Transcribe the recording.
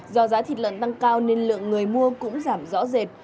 do giá thịt lợn tăng cao nên lượng người mua cũng giảm rõ rệt